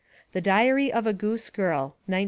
The Diary of a Goose Girl, 1902.